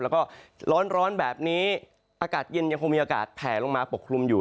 แล้วก็ร้อนแบบนี้อากาศเย็นยังคงมีอากาศแผลลงมาปกคลุมอยู่